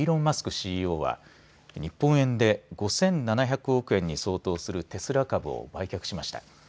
ＣＥＯは日本円で５７００億円に相当するテスラ株を売却しました。